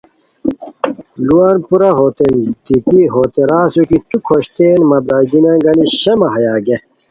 لوان پورا ہوتین دیتی ہوتے را اسور کی تو کھوشتیئن مہ برارگینیان گانی شامہ ہیا گیے